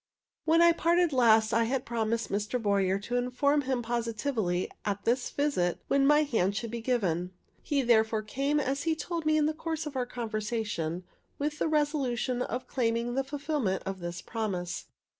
When we parted last I had promised Mr. Boyer to inform him positively, at this visit, when my hand should be given. He therefore came, as he told me in the course of our conversation, with the resolution of claiming the fulfilment of this promise.